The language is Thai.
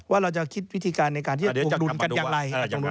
ว่าเราจะคิดวิธีการในการที่จะรุนกันอย่างไร